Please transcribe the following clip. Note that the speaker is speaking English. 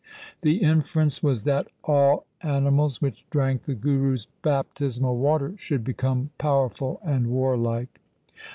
The inference was that all animals which drank the Guru's baptismal water should become powerful and warlike.